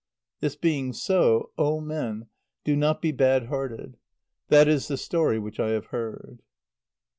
This being so, oh! men, do not be bad hearted. That is the story which I have heard.